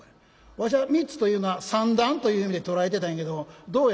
わしは三つというのは三段という意味で捉えてたんやけどどうやら違うらしいな。